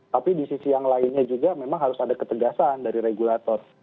tapi di sisi yang lainnya juga memang harus ada ketegasan dari regulator